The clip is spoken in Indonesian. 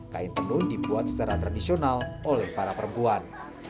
kain tenun dibuat secara tradisional oleh para perempuan